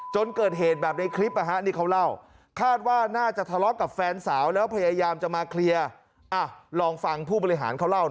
จนเกิดเหตุแบบในคลิปนี่เขาเล่าคาดว่าน่าจะทะเลาะกับแฟนสาวแล้วพยายามจะมาเคลียร์ลองฟังผู้บริหารเขาเล่าหน่อย